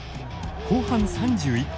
後半３１分。